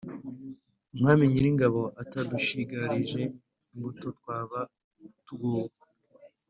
Umwami Nyiringabo atadushigarije imbuto twaba tugowe